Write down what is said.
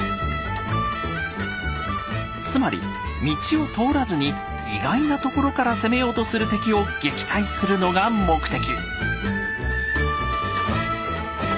つまり道を通らずに意外なところから攻めようとする敵を撃退するのが目的。